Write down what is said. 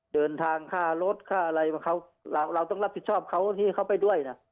เดินทางค่ารถค่าอะไรเราต้องรับผิดชอบเขาที่เขาไปด้วยนะ